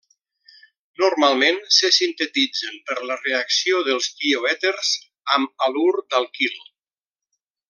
Normalment se sintetitzen per la reacció dels tioèters amb halur d'alquil.